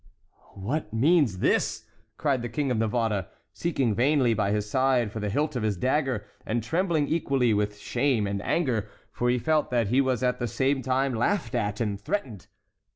"What means this?" cried the King of Navarre, seeking vainly by his side for the hilt of his dagger, and trembling equally with shame and anger; for he felt that he was at the same time laughed at and threatened.